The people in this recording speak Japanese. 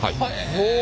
へえ。